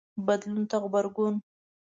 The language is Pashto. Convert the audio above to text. بدلون ته غبرګون